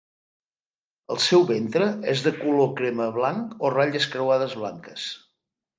El seu ventre és de color crema a blanc o ratlles creuades blanques.